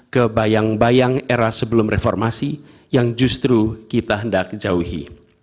ke bayang bayang era sebelum reformasi yang justru kita hendak jauhi